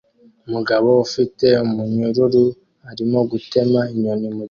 Umugabo ufite umunyururu arimo gutema inyoni mu giti